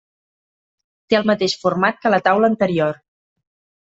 Té el mateix format que la taula anterior.